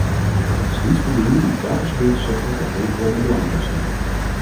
Het is niet voldoende om telkens weer te zeggen dat hulpbronnen belangrijk zijn.